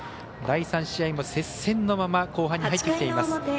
第３試合も、接戦のまま後半に入っています。